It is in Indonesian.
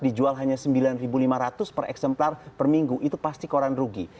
dijual hanya sembilan lima ratus per eksemplar per minggu itu pasti koran rugi